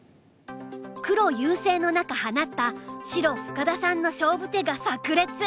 黒優勢の中放った白深田さんの勝負手がさく裂！